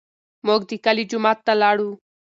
موږ د کلي جومات ته لاړو.